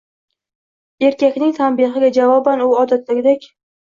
Erkakning tanbehiga javoban u odatdagidek